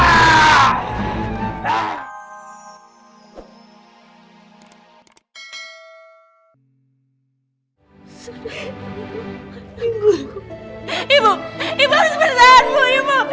ibu ibu harus bertahanmu ibu